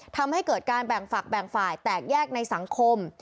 ทำให้เกิดการแบ่งฝักแบ่งฝ่ายแตกแยกในสังคม